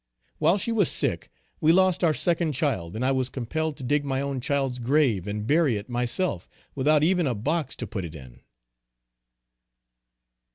While she was sick, we lost our second child, and I was compelled to dig my own child's grave and bury it myself without even a box to put it in.